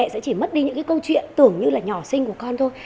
sẽ chỉ mất đi những cái câu chuyện tưởng như là nhỏ sinh của con thôi